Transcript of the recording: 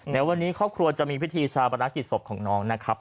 ในวันนี้ครอบครัวจะมีพิธีชาปนกิจศพของน้องนะครับ